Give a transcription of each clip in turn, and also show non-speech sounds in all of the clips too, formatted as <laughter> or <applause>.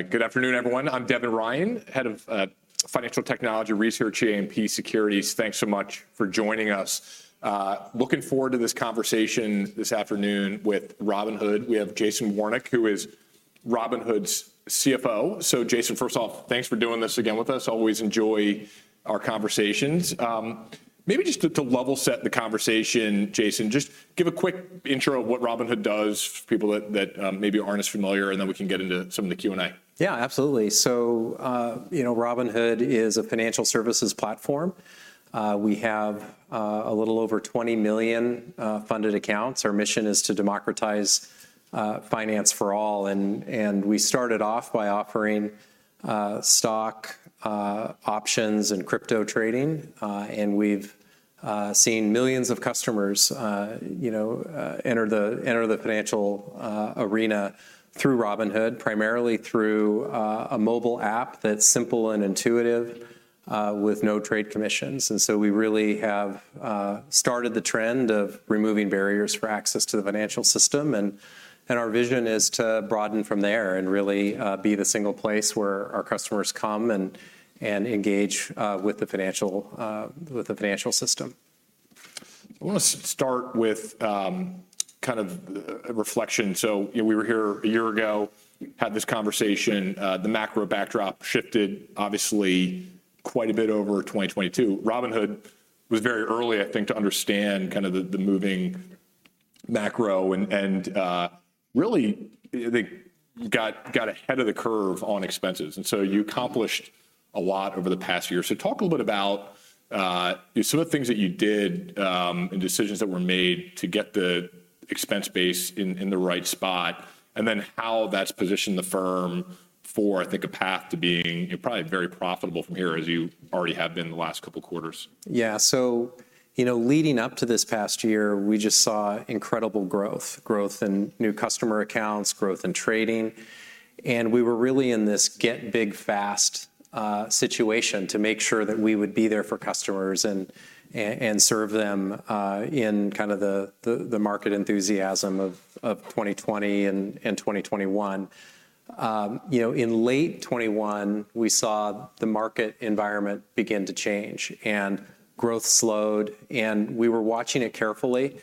Good afternoon, everyone. I'm Devin Ryan, Head of Financial Technology Research, JMP Securities. Thanks so much for joining us. Looking forward to this conversation this afternoon with Robinhood. We have Jason Warnick, who is Robinhood's CFO. Jason, first off, thanks for doing this again with us. Always enjoy our conversations. Maybe just to level set the conversation, Jason, just give a quick intro of what Robinhood does for people that, maybe aren't as familiar, and then we can get into some of the Q&A. Yeah, absolutely. You know, Robinhood is a financial services platform. We have a little over $20 million funded accounts. Our mission is to democratize finance for all, and we started off by offering stock, options and crypto trading, and we've seen millions of customers, you know, enter the financial arena through Robinhood, primarily through a mobile app that's simple and intuitive, with no trade commissions. We really have started the trend of removing barriers for access to the financial system and our vision is to broaden from there and really be the single place where our customers come and engage with the financial system. I wanna start with kind of a reflection. You know, we were here a year ago, had this conversation. The macro backdrop shifted obviously quite a bit over 2022. Robinhood was very early, I think, to understand kind of the moving macro and really, they got ahead of the curve on expenses. You accomplished a lot over the past year. Talk a little bit about some of the things that you did and decisions that were made to get the expense base in the right spot, and then how that's positioned the firm for, I think, a path to being probably very profitable from here as you already have been the last couple quarters. Yeah. You know, leading up to this past year, we just saw incredible growth in new customer accounts, growth in trading, and we were really in this get-big-fast situation to make sure that we would be there for customers and serve them in kind of the market enthusiasm of 2020 and 2021. You know, in late 2021, we saw the market environment begin to change and growth slowed, and we were watching it carefully.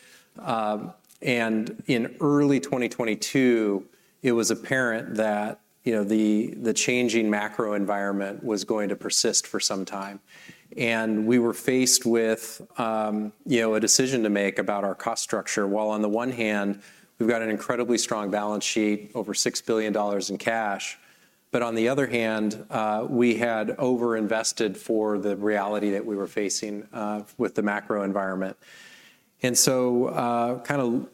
In early 2022, it was apparent that, you know, the changing macro environment was going to persist for some time. We were faced with, you know, a decision to make about our cost structure. While on the one hand, we've got an incredibly strong balance sheet, over $6 billion in cash, but on the other hand, we had over-invested for the reality that we were facing with the macro environment. Kinda,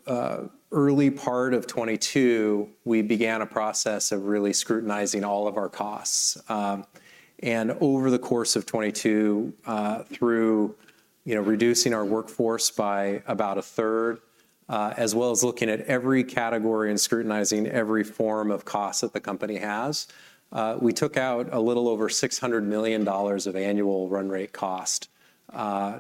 early part of 2022, we began a process of really scrutinizing all of our costs. Over the course of 2022, through, you know, reducing our workforce by about a third, as well as looking at every category and scrutinizing every form of cost that the company has, we took out a little over $600 million of annual run rate cost,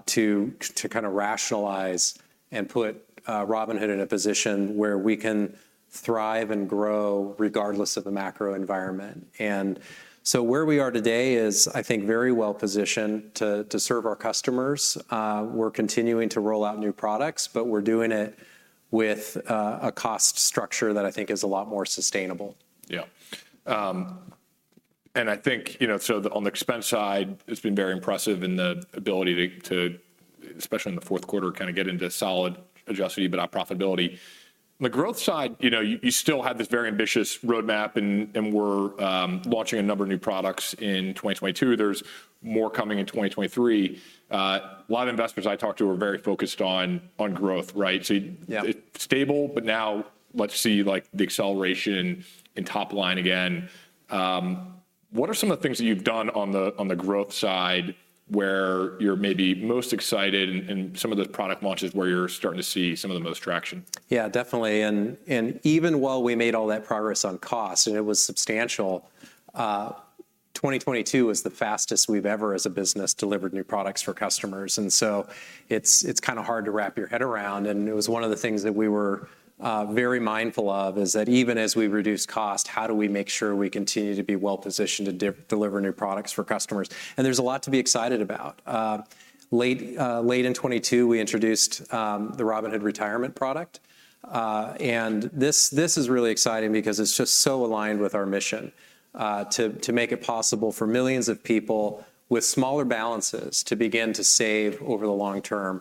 to kinda rationalize and put Robinhood in a position where we can thrive and grow regardless of the macro environment. Where we are today is, I think, very well-positioned to serve our customers. We're continuing to roll out new products, but we're doing it with a cost structure that I think is a lot more sustainable. Yeah. I think, you know, so on the expense side, it's been very impressive in the ability to, especially in the Q4, kinda get into solid adjusted EBITDA profitability. The growth side, you know, you still have this very ambitious roadmap and were launching a number of new products in 2022. There's more coming in 2023. A lot of investors I talked to are very focused on growth, right? Yeah It's stable, now let's see, like, the acceleration in top line again. What are some of the things that you've done on the, on the growth side where you're maybe most excited and some of the product launches where you're starting to see some of the most traction? Yeah, definitely. Even while we made all that progress on cost, and it was substantial, 2022 was the fastest we've ever as a business delivered new products for customers. It's, it's kinda hard to wrap your head around, and it was one of the things that we were very mindful of, is that even as we reduce cost, how do we make sure we continue to be well-positioned to de-deliver new products for customers? There's a lot to be excited about. Late, late in 2022, we introduced the Robinhood Retirement product. This is really exciting because it's just so aligned with our mission, to make it possible for millions of people with smaller balances to begin to save over the long term.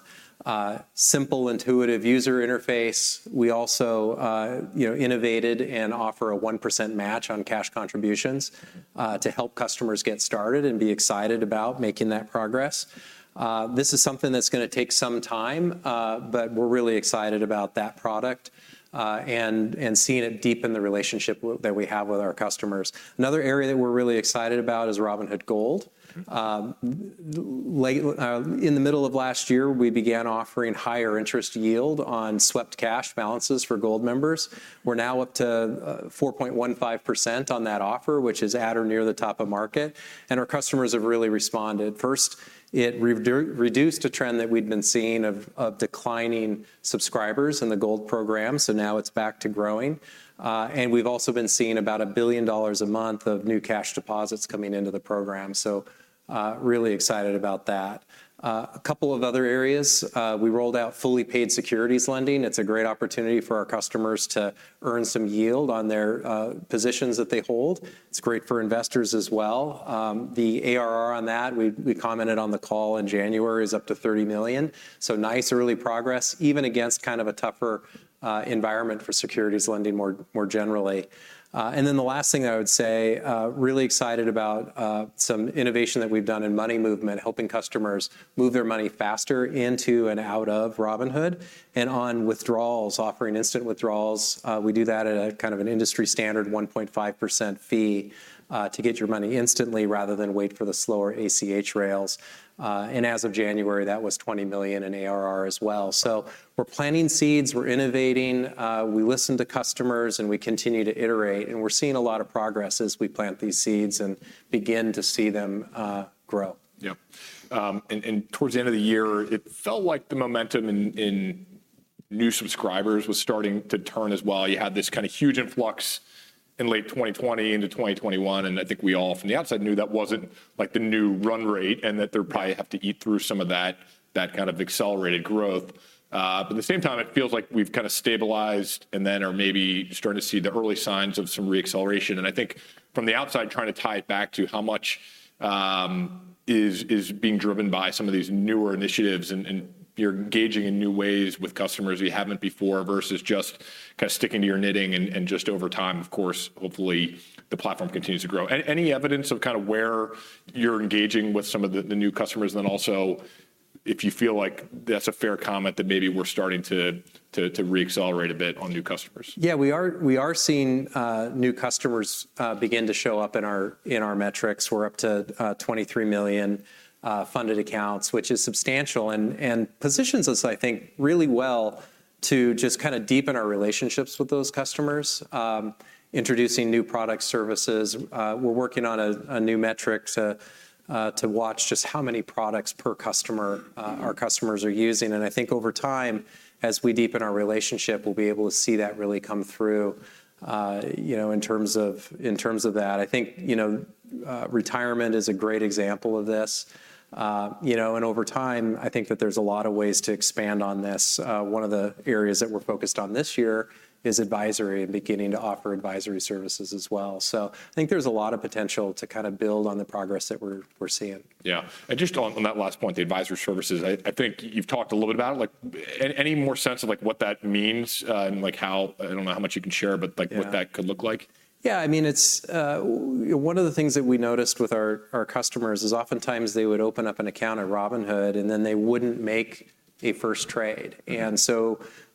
Simple, intuitive user interface. We also, you know, innovated and offer a 1% match on cash contributions to help customers get started and be excited about making that progress. This is something that's gonna take some time, but we're really excited about that product and seeing it deepen the relationship that we have with our customers. Another area that we're really excited about is Robinhood Gold. In the middle of last year, we began offering higher interest yield on swept cash balances for Gold members. We're now up to 4.15% on that offer, which is at or near the top of market, and our customers have really responded. First, it reduced a trend that we'd been seeing of declining subscribers in the Gold program, so now it's back to growing. We've also been seeing about $1 billion a month of new cash deposits coming into the program, so really excited about that. A couple of other areas, we rolled out fully paid securities lending. It's a great opportunity for our customers to earn some yield on their positions that they hold. It's great for investors as well. The ARR on that, we commented on the call in January, is up to $30 million, so nice early progress, even against kind of a tougher environment for securities lending generally. Then the last thing I would say, really excited about some innovation that we've done in money movement, helping customers move their money faster into and out of Robinhood, and on withdrawals, offering instant withdrawals. We do that at a kind of an industry standard 1.5% fee to get your money instantly rather than wait for the slower ACH rails. As of January, that was $20 million in ARR as well. We're planting seeds, we're innovating, we listen to customers, and we continue to iterate, and we're seeing a lot of progress as we plant these seeds and begin to see them grow. Yep. Towards the end of the year, it felt like the momentum in new subscribers was starting to turn as well. You had this kinda huge influx in late 2020 into 2021, I think we all from the outside knew that wasn't, like, the new run rate and that they'd probably have to eat through some of that kind of accelerated growth. At the same time, it feels like we've kinda stabilized and then are maybe starting to see the early signs of some re-acceleration. I think from the outside, trying to tie it back to how much is being driven by some of these newer initiatives and you're engaging in new ways with customers you haven't before versus just kinda sticking to your knitting and just over time, of course, hopefully the platform continues to grow, any evidence of kinda where you're engaging with some of the new customers, and then also if you feel like that's a fair comment that maybe we're starting to re-accelerate a bit on new customers? We are seeing new customers begin to show up in our metrics. We're up to $23 million funded accounts, which is substantial and positions us, I think, really well to just kinda deepen our relationships with those customers, introducing new product services. We're working on a new metric to watch just how many products per customer our customers are using. I think over time, as we deepen our relationship, we'll be able to see that really come through, you know, in terms of that. I think, you know, retirement is a great example of this. You know, over time, I think that there's a lot of ways to expand on this. One of the areas that we're focused on this year is advisory and beginning to offer advisory services as well. I think there's a lot of potential to kinda build on the progress that we're seeing. Yeah. Just on that last point, the advisory services, I think you've talked a little bit about it. Like, any more sense of, like, what that means, and, like, I don't know how much you can share, but, like? Yeah What that could look like? Yeah, I mean, it's one of the things that we noticed with our customers is oftentimes they would open up an account at Robinhood, and then they wouldn't make a first trade.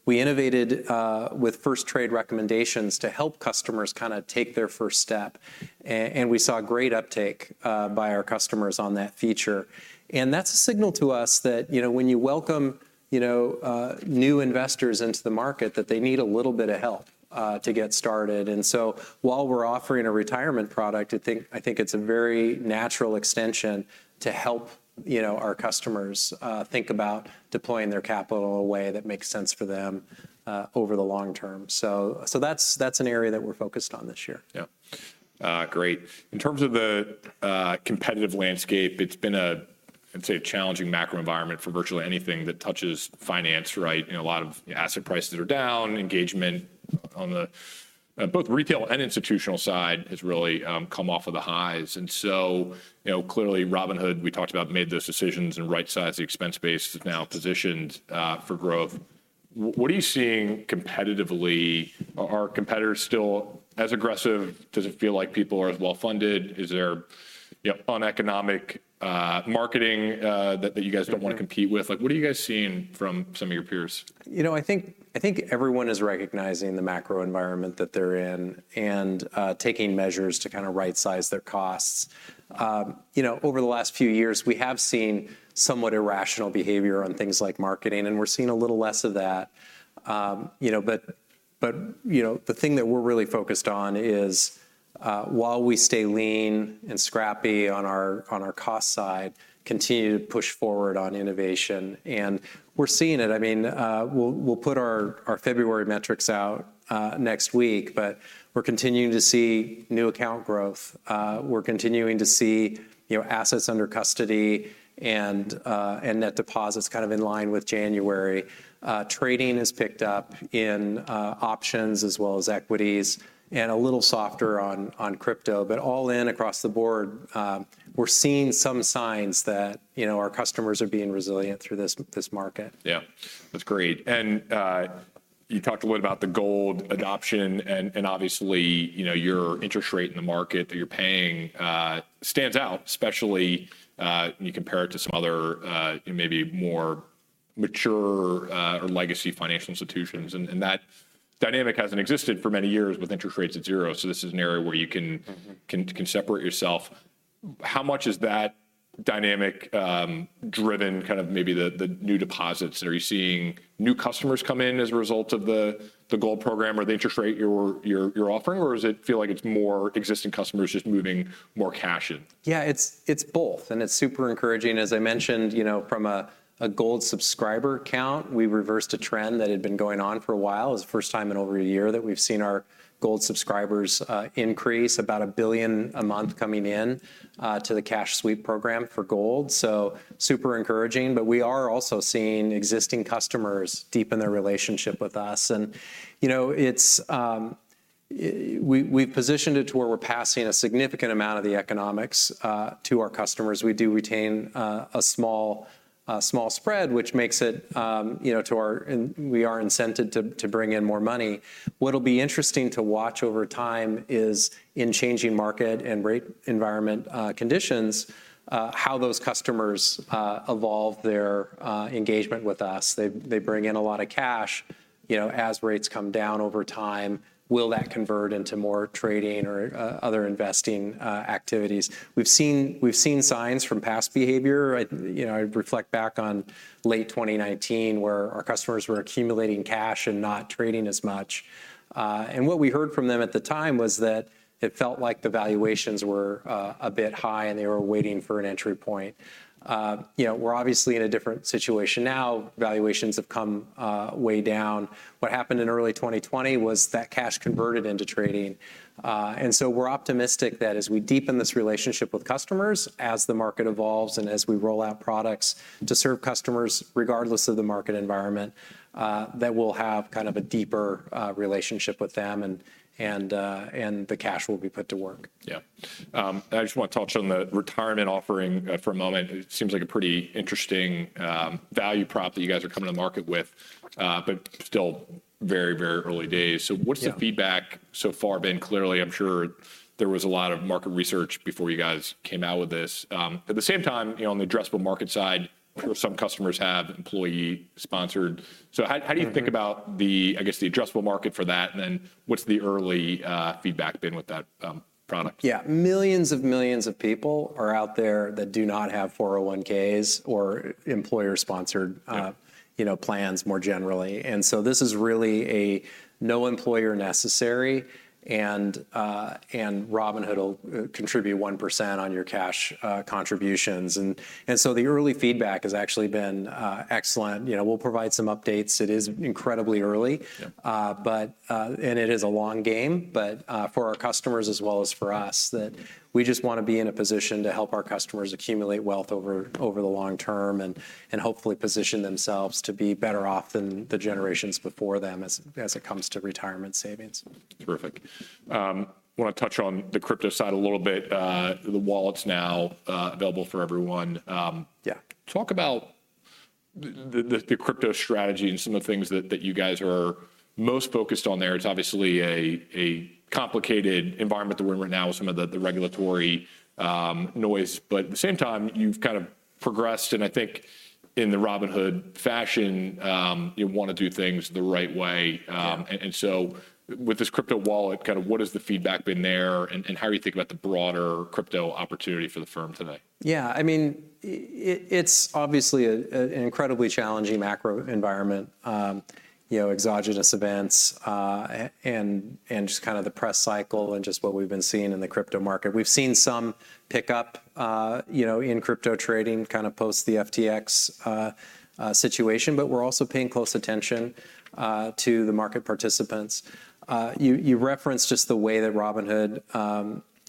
We innovated with first trade recommendations to help customers kinda take their first step, and we saw great uptake by our customers on that feature. That's a signal to us that, you know, when you welcome, you know, new investors into the market, that they need a little bit of help to get started. While we're offering a retirement product, I think it's a very natural extension to help, you know, our customers think about deploying their capital in a way that makes sense for them over the long term. That's an area that we're focused on this year. Yeah. Great. In terms of the competitive landscape, it's been a, I'd say, a challenging macro environment for virtually anything that touches finance, right? You know, a lot of asset prices are down, engagement on the, both retail and institutional side has really come off of the highs. You know, clearly, Robinhood, we talked about, made those decisions and right-sized the expense base. It's now positioned for growth. What are you seeing competitively? Are competitors still as aggressive? Does it feel like people are as well-funded? Is there, you know, uneconomic marketing that you guys don't wanna compete with? Like, what are you guys seeing from some of your peers? You know, I think everyone is recognizing the macro environment that they're in and taking measures to kinda right-size their costs. You know, over the last few years, we have seen somewhat irrational behavior on things like marketing, and we're seeing a little less of that. You know, but, you know, the thing that we're really focused on is while we stay lean and scrappy on our cost side, continue to push forward on innovation, and we're seeing it. I mean, we'll put our February metrics out next week, but we're continuing to see new account growth. We're continuing to see, you know, assets under custody and net deposits kind of in line with January. Trading has picked up in options as well as equities and a little softer on crypto. All in across the board, we're seeing some signs that, you know, our customers are being resilient through this market. Yeah. That's great. You talked a lot about the Gold adoption, and obviously, you know, your interest rate in the market that you're paying stands out, especially when you compare it to some other, you know, maybe more mature or legacy financial institutions. That dynamic hasn't existed for many years with interest rates at zero, so this is an area where you can. Mm-hmm Can separate yourself. How much is that dynamic driven kind of maybe the new deposits? Are you seeing new customers come in as a result of the Gold program or the interest rate you're offering, or does it feel like it's more existing customers just moving more cash in? Yeah, it's both. It's super encouraging. As I mentioned, you know, from a Gold subscriber count, we reversed a trend that had been going on for a while. It was the first time in over a year that we've seen our Gold subscribers increase about $1 billion a month coming in to the cash sweep program for Gold. Super encouraging, but we are also seeing existing customers deepen their relationship with us. You know, it's, we've positioned it to where we're passing a significant amount of the economics to our customers. We do retain a small spread, which makes it, you know, and we are incented to bring in more money. What'll be interesting to watch over time is in changing market and rate environment, conditions, how those customers evolve their engagement with us. They bring in a lot of cash, you know, as rates come down over time. Will that convert into more trading or other investing activities? We've seen signs from past behavior. I, you know, I reflect back on late 2019 where our customers were accumulating cash and not trading as much. What we heard from them at the time was that it felt like the valuations were a bit high, and they were waiting for an entry point. You know, we're obviously in a different situation now. Valuations have come way down. What happened in early 2020 was that cash converted into trading. We're optimistic that as we deepen this relationship with customers, as the market evolves, and as we roll out products to serve customers regardless of the market environment, that we'll have kind of a deeper relationship with them and the cash will be put to work. Yeah. I just wanna touch on the retirement offering for a moment. It seems like a pretty interesting value prop that you guys are coming to market with, but still very, very early days... Yeah What's the feedback so far been? Clearly, I'm sure there was a lot of market research before you guys came out with this. At the same time, you know, on the addressable market side, some customers have employee-sponsored. How do you think about the, I guess, the addressable market for that? What's the early feedback been with that product? Yeah. Millions of people are out there that do not have 401(k)s or employer sponsored... You know, plans more generally. This is really a no employer necessary and Robinhood will contribute 1% on your cash, contributions. The early feedback has actually been, excellent. You know, we'll provide some updates. It is incredibly early. Yeah. It is a long game, but for our customers as well as for us, that we just wanna be in a position to help our customers accumulate wealth over the long term and hopefully position themselves to be better off than the generations before them as it comes to retirement savings. Terrific. wanna touch on the crypto side a little bit. The wallet's now available for everyone. Yeah Talk about the crypto strategy and some of the things that you guys are most focused on there. It's obviously a complicated environment that we're in right now with some of the regulatory noise. At the same time, you've kind of progressed, and I think in the Robinhood fashion, you wanna do things the right way. Yeah With this crypto wallet, kind of what has the feedback been there, and how are you thinking about the broader crypto opportunity for the firm today? Yeah. I mean, It's obviously a, an incredibly challenging macro environment. You know, exogenous events, and just kind of the press cycle and just what we've been seeing in the crypto market. We've seen some pickup, you know, in crypto trading, kind of post the FTX situation, but we're also paying close attention to the market participants. You referenced just the way that Robinhood,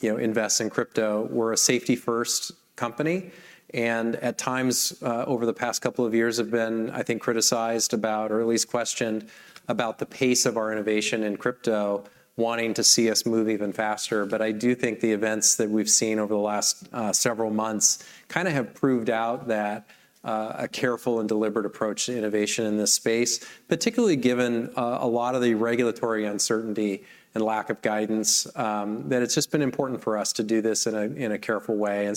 you know, invests in crypto. We're a safety-first company, and at times, over the past couple of years have been, I think, criticized about or at least questioned about the pace of our innovation in crypto, wanting to see us move even faster. I do think the events that we've seen over the last several months kinda have proved out that a careful and deliberate approach to innovation in this space, particularly given a lot of the regulatory uncertainty and lack of guidance, that it's just been important for us to do this in a careful way.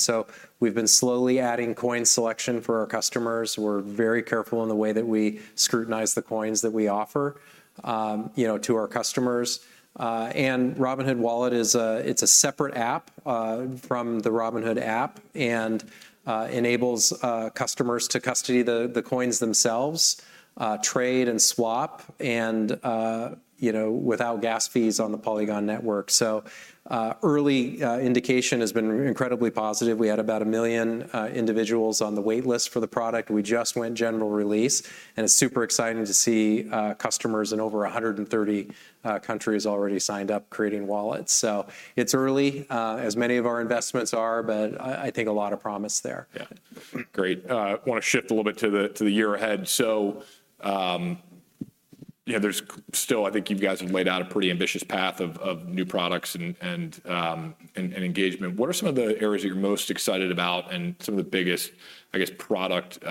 We've been slowly adding coin selection for our customers. We're very careful in the way that we scrutinize the coins that we offer, you know, to our customers. Robinhood Wallet it's a separate app from the Robinhood app and enables customers to custody the coins themselves, trade and swap, and, you know, without gas fees on the Polygon network. Early indication has been incredibly positive. We had about a million individuals on the wait list for the product. It's super exciting to see customers in over 130 countries already signed up creating wallets. It's early, as many of our investments are, but I think a lot of promise there. Yeah. Great. Wanna shift a little bit to the, to the year ahead. Yeah, I think you guys have laid out a pretty ambitious path of new products and, and engagement. What are some of the areas that you're most excited about and some of the biggest, I guess, product,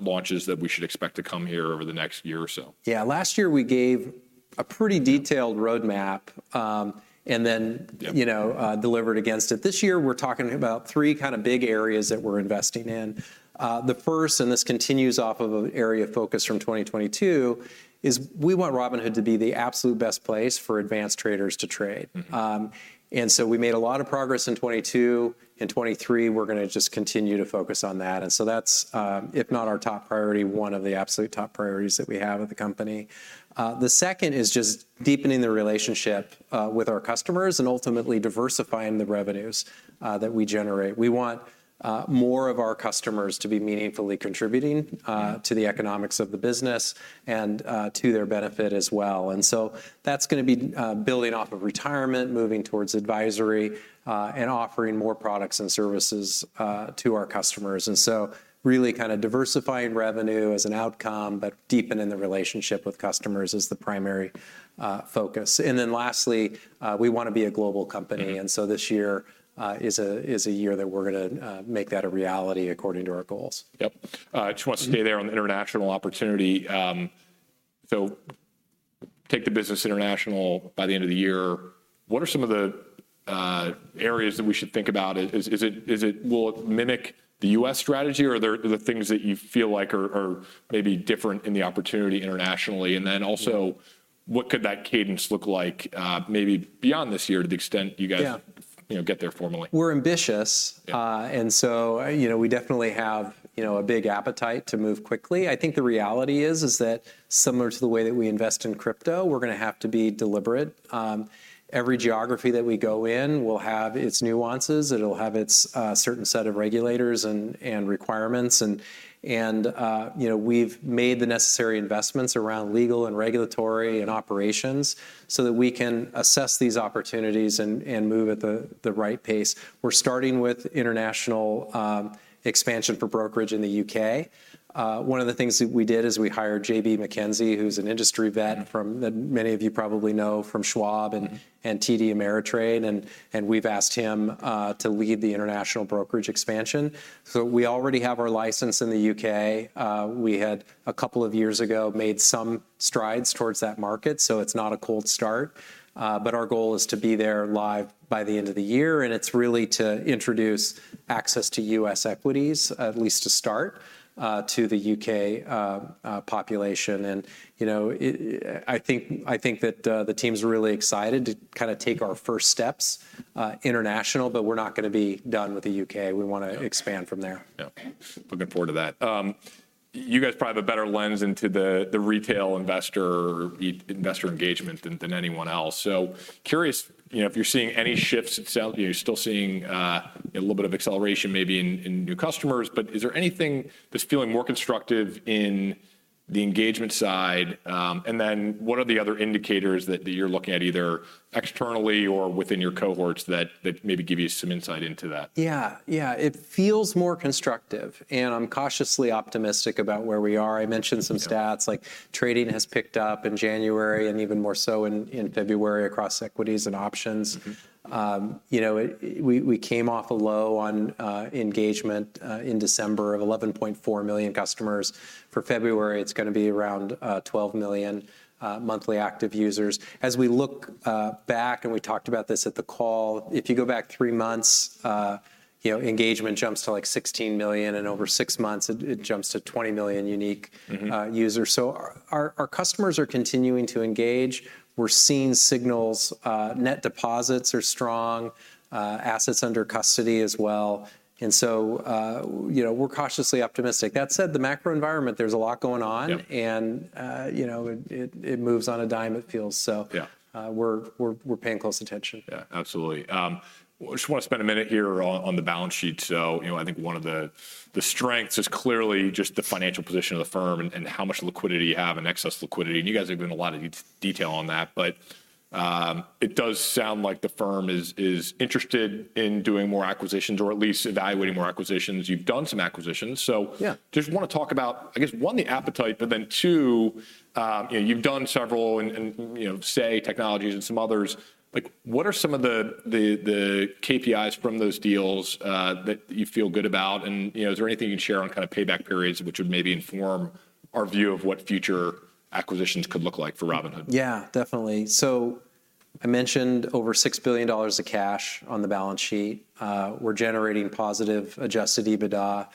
launches that we should expect to come here over the next year or so? Yeah. Last year, we gave a pretty detailed roadmap. Yep You know, delivered against it. This year, we're talking about three kinda big areas that we're investing in. The first, and this continues off of an area of focus from 2022, is we want Robinhood to be the absolute best place for advanced traders to trade. Mm-hmm. We made a lot of progress in 2022. In 2023, we're gonna just continue to focus on that. That's, if not our top priority, one of the absolute top priorities that we have at the company. The second is just deepening the relationship with our customers and ultimately diversifying the revenues that we generate. We want more of our customers to be meaningfully contributing to the economics of the business and to their benefit as well. That's gonna be building off of retirement, moving towards advisory, and offering more products and services to our customers. Really kinda diversifying revenue as an outcome but deepening the relationship with customers is the primary focus. Lastly, we wanna be a global company. This year is a year that we're gonna make that a reality according to our goals. Yep. just want to stay there on the international opportunity. Take the business international by the end of the year. What are some of the areas that we should think about? Will it mimic the U.S. strategy, or are there the things that you feel like are maybe different in the opportunity internationally? Then also, what could that cadence look like maybe beyond this year to the extent you guys <crosstalk> Yeah You know, get there formally? We're ambitious. You know, we definitely have, you know, a big appetite to move quickly. I think the reality is that similar to the way that we invest in crypto, we're gonna have to be deliberate. Every geography that we go in will have its nuances, it'll have its certain set of regulators and requirements, and, you know, we've made the necessary investments around legal and regulatory and operations so that we can assess these opportunities and move at the right pace. We're starting with international expansion for brokerage in the UK. One of the things that we did is we hired Steve Quirk, who's an industry vet from that many of you probably know from Schwab and TD Ameritrade, and we've asked him to lead the international brokerage expansion. We already have our license in the U.K. We had a couple of years ago made some strides towards that market, so it's not a cold start. Our goal is to be there live by the end of the year, and it's really to introduce access to U.S. equities, at least to start, to the U.K. population. You know, I think that the team's really excited to kinda take our first steps international, but we're not gonna be done with the U.K. We wanna expand from there. Looking forward to that. You guys probably have a better lens into the retail investor engagement than anyone else. Curious, you know, if you're seeing any shifts, you're still seeing a little bit of acceleration maybe in new customers, but is there anything that's feeling more constructive in the engagement side? What are the other indicators that you're looking at either externally or within your cohorts that maybe give you some insight into that? Yeah. Yeah. It feels more constructive, and I'm cautiously optimistic about where we are. I mentioned some stats, like trading has picked up in January and even more so in February across equities and options. you know, we came off a low on engagement in December of 11.400,000 customers. For February, it's gonna be around 12,000,000 monthly active users. As we look back, and we talked about this at the call, if you go back three months, you know, engagement jumps to like 16,000,000, and over six months it jumps to 20,000,000 unique- Mm-hmm Users. So our customers are continuing to engage. We're seeing signals, net deposits are strong, assets under custody as well. You know, we're cautiously optimistic. That said, the macro environment, there's a lot going on. Yep. You know, it moves on a dime, it feels so. Yeah. We're paying close attention. Yeah, absolutely. just wanna spend a minute here on the balance sheet. you know, I think one of the strengths is clearly just the financial position of the firm and how much liquidity you have and excess liquidity, and you guys have given a lot of detail on that. it does sound like the firm is interested in doing more acquisitions or at least evaluating more acquisitions. You've done some acquisitions. Yeah Just wanna talk about, I guess, one, the appetite, but then two, you know, you've done several and, you know, Say Technologies and some others. Like, what are some of the KPIs from those deals that you feel good about? You know, is there anything you'd share on kinda payback periods which would maybe inform our view of what future acquisitions could look like for Robinhood? Definitely. I mentioned over $6 billion of cash on the balance sheet. We're generating positive adjusted EBITDA,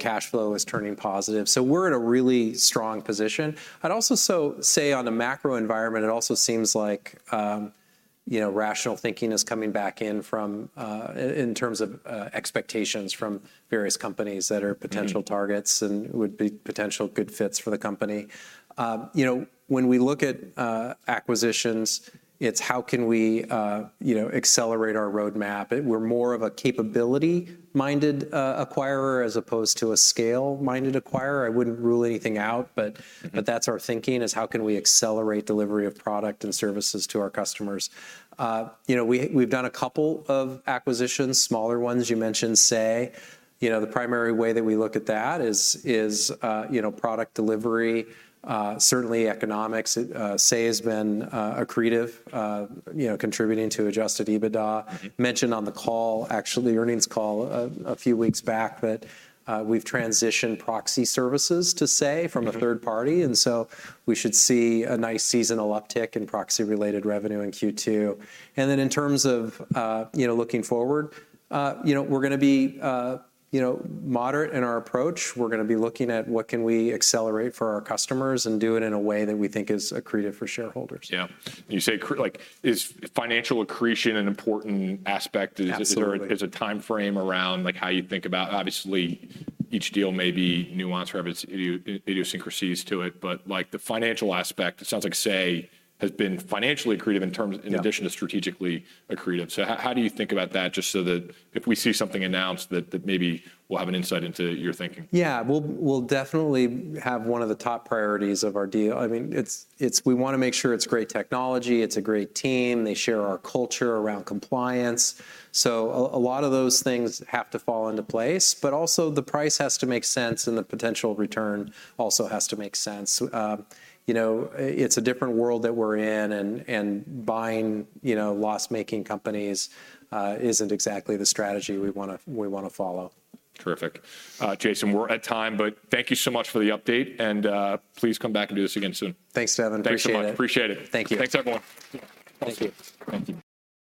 cash flow is turning positive. We're in a really strong position. I'd also say on the macro environment, it also seems like, you know, rational thinking is coming back in from in terms of expectations from various companies that are potential targets and would be potential good fits for the company. You know, when we look at acquisitions, it's how can we, you know, accelerate our roadmap. We're more of a capability-minded acquirer as opposed to a scale-minded acquirer. I wouldn't rule anything out, but. Mm-hmm That's our thinking, is how can we accelerate delivery of product and services to our customers? You know, we've done a couple of acquisitions, smaller ones. You mentioned Say. You know, the primary way that we look at that is, you know, product delivery, certainly economics. Say has been, accretive, you know, contributing to adjusted EBITDA. Mm-hmm. Mentioned on the call, actually the earnings call a few weeks back, that we've transitioned proxy services to Say from a third party. We should see a nice seasonal uptick in proxy-related revenue in Q2. In terms of, you know, looking forward, you know, we're gonna be, you know, moderate in our approach. We're gonna be looking at what can we accelerate for our customers and do it in a way that we think is accretive for shareholders. Yeah. You say like, is financial accretion an important aspect? Absolutely Is a timeframe around, like, how you think about. Obviously, each deal may be nuanced or have its idiosyncrasies to it, but, like, the financial aspect, it sounds like, Say, has been financially accretive in terms. Yeah In addition to strategically accretive. How do you think about that? Just so that if we see something announced that maybe we'll have an insight into your thinking. Yeah. We'll definitely have one of the top priorities of our deal. I mean, it's great technology, it's a great team, they share our culture around compliance. A lot of those things have to fall into place, but also the price has to make sense, and the potential return also has to make sense. You know, it's a different world that we're in, and buying, you know, loss-making companies isn't exactly the strategy we wanna follow. Terrific. Jason, we're at time, but thank you so much for the update, and, please come back and do this again soon. Thanks, Devin. Appreciate it. Thanks so much. Appreciate it. Thank you. Thanks, everyone. Thank you. Thank you.